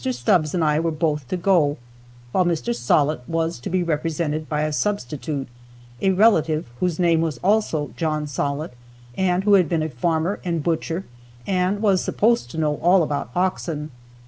Stubbs and I were both to go, while Mr. Sollitt was to be represented by a substitute, a relative whose name was also John Sollitt, and who had been a farmer and butcher and was supposed to know all about oxen.